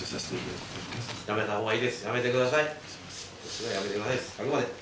それはやめてください。